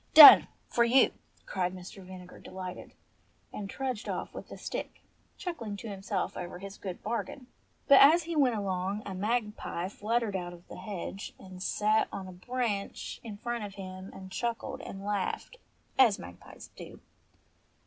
"Done for you!" cried Mr. Vinegar delightedly; and trudged off with the stick, chuckling to himself over his good bargain. But as he went along a magpie fluttered out of the hedge and sate on a branch in front of him, and chuckled and laughed as magpies do.